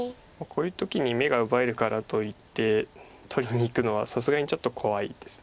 こういう時に眼が奪えるからといって取りにいくのはさすがにちょっと怖いです。